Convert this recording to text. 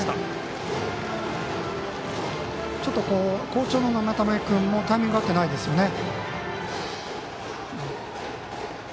好調の生田目君もタイミングが合ってないですね。